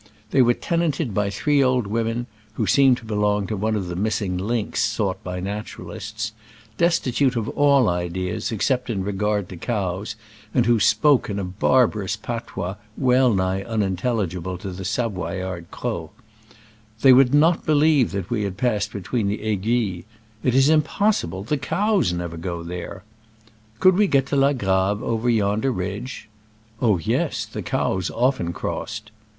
They were tenanted by three old women (who seemed to belong to one of the missing links sought by naturalists) destitute of all ideas except in regard to cows, and who spoke a barbarous patois wellnigh unintelligible to the Savoyard Croz. • They would not believe that we had passed between the Aiguilles :'* It is impossible, the cows never go there." " Could we get to La Grave over yonder ridge ?" "Oh yes ! the cows often cross ed